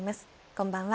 こんばんは。